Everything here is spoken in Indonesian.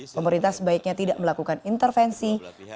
pemerintah sebaiknya tidak melakukan intervensi